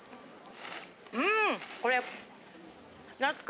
うん！これ。